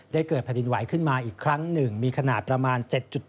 ได้เกิดประดิษฐ์ไหวขึ้นมาอีกครั้ง๑มีขนาดประมาณ๗๑๗๔